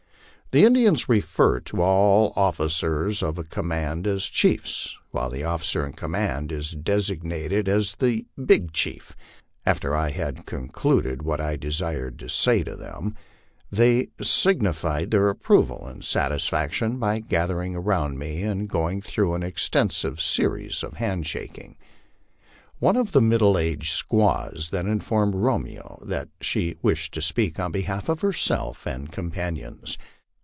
The Indians refer to all officers of a command as " chiefs," while the officer in command is designated as the " big chief." After I had concluded what I desired to say to them, they sig nified their approval and satisfaction by gathering around me and going through an extensive series of hand shaking. One of the middle aged squawa then informed Romeo that she wished to speak on behalf of herself and companions.